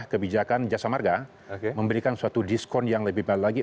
kebijakan jasa marga memberikan suatu diskon yang lebih baik lagi